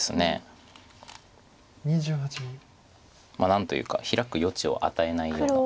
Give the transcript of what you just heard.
何というかヒラく余地を与えないような。